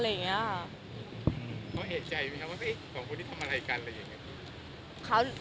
เขาเอกใจไหมครับว่าสองคนนี้ทำอะไรกันอะไรอย่างนี้